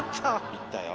行ったよ。